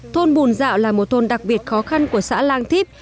thôn bùn dạo là một thôn đặc biệt khó khăn của xã lang thíp